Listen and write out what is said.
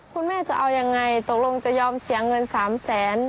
คุณแม่จะเอายังไงตกลงจะยอมเสียเงิน๓แสน